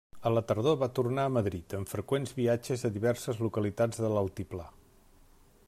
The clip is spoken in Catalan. A la tardor va tornar a Madrid, amb freqüents viatges a diverses localitats de l'altiplà.